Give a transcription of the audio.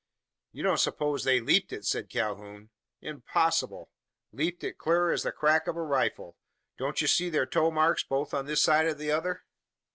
"You don't suppose they leaped it?" said Calhoun. "Impossible." "Leaped it clur as the crack o' a rifle. Don't ye see thur toe marks, both on this side an the t'other?